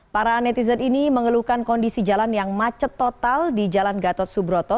para netizen ini mengeluhkan kondisi jalan yang macet total di jalan gatot subroto